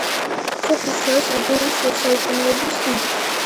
სოფელში არის ადრეული შუა საუკუნეების ხიდი.